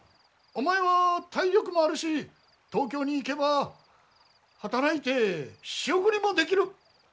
お前は体力もあるし東京に行けば働いて仕送りもできる。